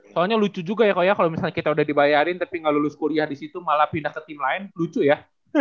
soalnya lucu juga ya kalo misalnya kita udah dibayarin tapi gak lulus kuliah disitu malah pindah ke tim lain lucu ya